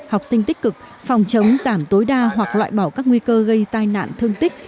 học sinh tích cực phòng chống giảm tối đa hoặc loại bỏ các nguy cơ gây tai nạn thương tích